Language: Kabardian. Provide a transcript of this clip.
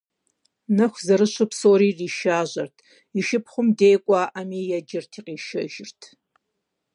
Нэху зэрыщу псори иришажьэрт, и шыпхъум дей кӀуэӀами, еджэрти къишэжырт.